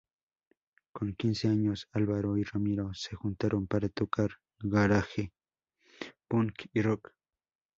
Con quince años, Álvaro y Ramiro se juntaron para tocar garaje, punk y rock.